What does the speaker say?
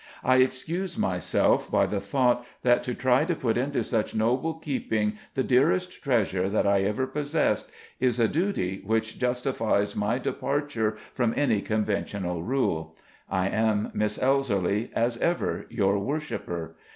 I excuse myself by the thought that to try to put into such noble keeping the dearest treasure that I ever possessed, is a duty which justifies my departure from any conventional rule. I am, Miss Elserly, as ever, your worshiper.